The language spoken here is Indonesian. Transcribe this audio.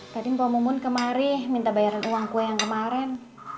tadi poh mumun kemari minta bayaran uang kue yang kemaren